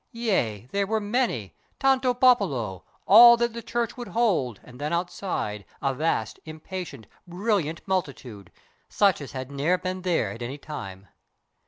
Yea, there were many—tanto popolo— All that the church would hold, and then outside A vast, impatient, brilliant multitude, Such as had ne'er been there at any time.